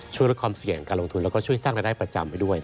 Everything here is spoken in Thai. ช่วยรับความเสี่ยงการลงทุนและช่วยสร้างลายประจำด้วย